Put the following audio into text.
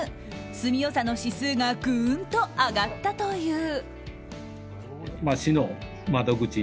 住みよさの指数がグーンと上がったという。